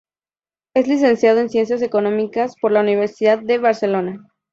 Es licenciado en Ciencias Económicas por la Universidad de Barcelona.